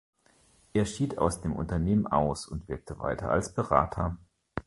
Er schied aus dem Unternehmen aus und wirkte weiter als Berater.